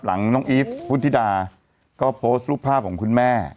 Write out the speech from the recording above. น้องอีฟพุทธิดาก็โพสต์รูปภาพของคุณแม่